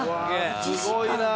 すごいなぁ。